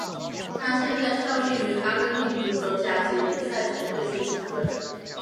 他现在效力于阿根廷足球甲级联赛球队学生队。